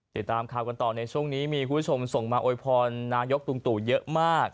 ติดตามข่าวกันต่อในช่วงนี้มีคุณผู้ชมส่งมาโวยพรนายกตุงตู่เยอะมาก